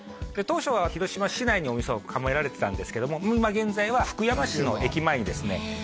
当初は広島市内にお店を構えられてたんですけども今現在は福山市の駅前にですね